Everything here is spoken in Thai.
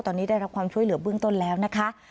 ตอนนี้ได้รับความช่วยเหลือเบื้องต้นแล้วนะคะ